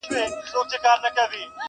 • ناست یمه ترې لپې ډکومه زه ,